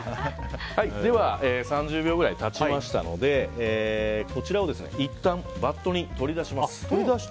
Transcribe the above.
では、３０秒くらい経ちましたのでこちらをいったんバットに取り出します。